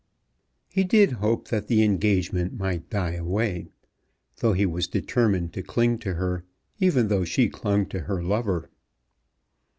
He did hope that the engagement might die away, though he was determined to cling to her even though she clung to her lover.